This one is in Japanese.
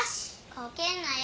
こけんなよ。